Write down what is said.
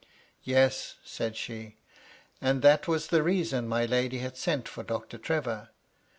"Yes," said she. "And that was the reason my lady had sent for Doctor Trevor.